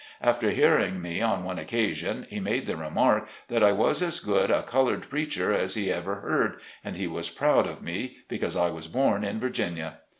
After hearing me on one occa sion he made the remark, that I was as good a col ored preacher as he ever heard, and he was proud of me, because I was born in Virginia.